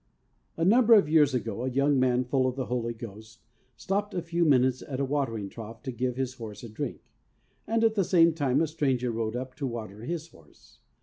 A number of years ago a young man full of the Holy Ghost stopped a few minutes at a watering trough to give his horse a drink, and at the same time a stranger rode up to water his horse.